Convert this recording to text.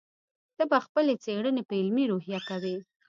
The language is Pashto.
ته به خپلې څېړنې په علمي روحیه کوې.